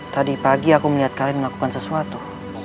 tadi pagi aku melihat kalian melakukan sesuatu